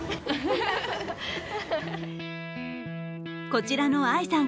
こちらのあいさん